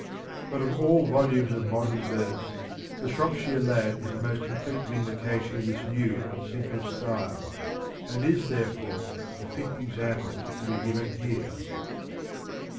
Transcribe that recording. But of all volumes of modern verse the " Shropshire Lad " is the most complete vindication of this new and simple style, and is therefore a fit example to be given here.